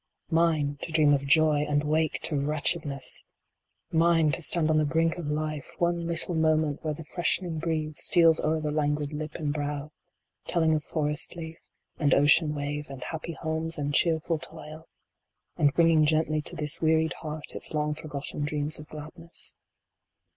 Mine to dream of joy and wake to wretchedness 1 Mine to stand on the brink of life One little moment where the fresh ning breeze Steals o er the languid lip and brow, telling Of forest leaf, and ocean wave, and happy Homes, and cheerful toil ; and bringing gently To this wearied heart its long forgotten Dreams of gladness.